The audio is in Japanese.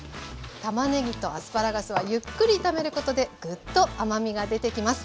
たまねぎとアスパラガスはゆっくり炒めることでぐっと甘みが出てきます。